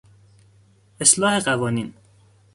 اصلاح قوانین